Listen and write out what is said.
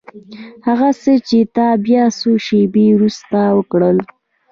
هغه څه چې تا بيا څو شېبې وروسته وکړل.